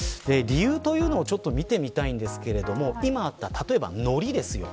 理由というのをちょっと見てみたいんですが今あった例えばノリです。